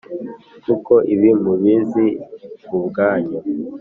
Kuko ibi mubizi ubwanyu